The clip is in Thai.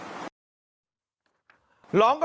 หลองก็หลองไปอ่ะกริตติเดตยังไงครับ